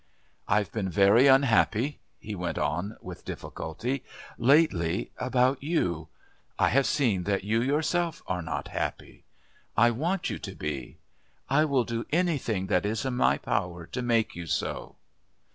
"I've been very unhappy," he went on with difficulty, "lately about you I have seen that you yourself are not happy. I want you to be. I will do anything that is in my power to make you so!"